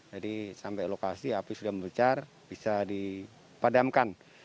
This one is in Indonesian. jadi sampai lokasi api sudah membecar bisa dipadamkan